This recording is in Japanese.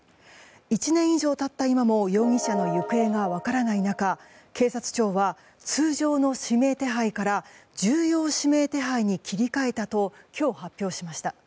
１年以上経った今も容疑者の行方が分からない中警察庁は通常の指名手配から重要指名手配に切り替えたと今日、発表しました。